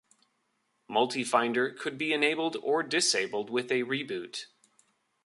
MultiFinder could be enabled or disabled, with a reboot.